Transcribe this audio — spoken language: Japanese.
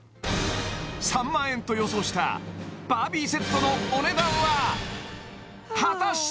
３００００円と予想したバービーセットのお値段は果たして？